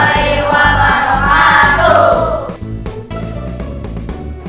assalamualaikum warahmatullahi wabarakatuh